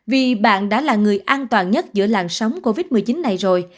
vì bạn đã là người an toàn nhất giữa làn sóng covid một mươi chín này rồi